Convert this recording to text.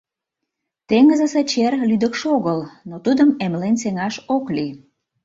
Теҥызысе чер — лӱдыкшӧ огыл, но тудым эмлен сеҥаш ок лий.